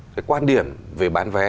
cái quan điểm về bán vé